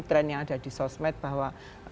tren yang ada di sosmed bahwa